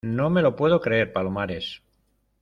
no me lo puedo creer, Palomares.